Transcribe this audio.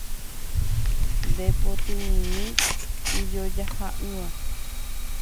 Nde potymimi ijojaha'ỹva